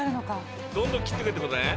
どんどん切って行くってことね！